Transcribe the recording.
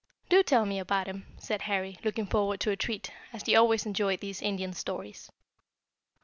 "Do tell me about him," said Harry, looking forward to a treat, as he always enjoyed these Indian stories.